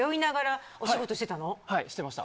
これはいしてました